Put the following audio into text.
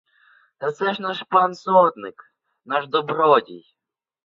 Та це ж наш пан сотник, наш добродій.